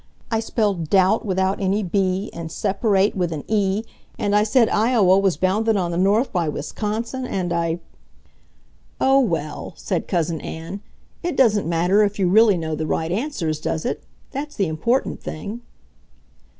I spelled 'doubt' without any b and 'separate' with an e, and I said Iowa was bounded on the north by Wisconsin, and I ..." "Oh, well," said Cousin Ann, "it doesn't matter if you really know the right answers, does it? That's the important thing."